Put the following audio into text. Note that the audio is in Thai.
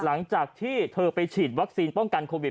หลังจากที่เธอไปฉีดวัคซีนป้องกันโควิด